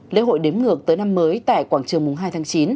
lễ hội đếm ngược tới năm mới tại quảng trường mùng hai tháng chín